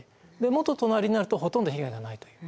もっと隣になるとほとんど被害がないという。